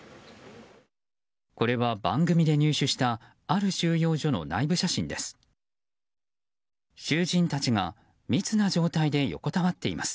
これは番組で入手したある収容所の内部写真です。